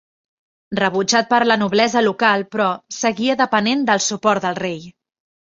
Rebutjat per la noblesa local, però, seguia depenent del suport del rei.